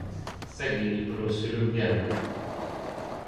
Szegény iparos szülők gyermeke.